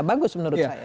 bagus menurut saya